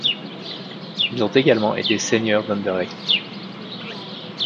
Ils ont également été seigneurs d'Anderlecht.